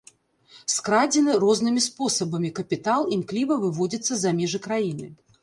Скрадзены рознымі спосабамі капітал імкліва выводзіцца за межы краіны.